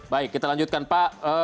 baik kita lanjutkan pak